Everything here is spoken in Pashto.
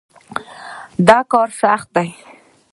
دا کار سخت دی.